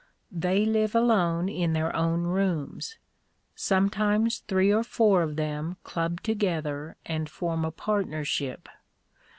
They live alone in their own rooms. Sometimes three or four of them club together and form a partnership.